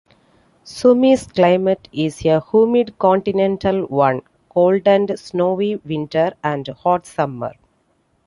Sumy's climate is a humid continental one: cold and snowy winters, and hot summers.